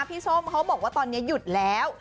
ส้มเขาบอกว่าตอนนี้หยุดแล้ว